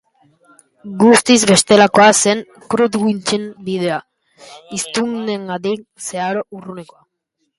Guztiz bestelakoa zen Krutwigen bidea, hiztunengandik zeharo urrunekoa.